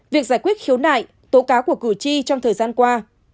việc giải quyết khiếu nại tố cáo của cử tri trong thời gian qua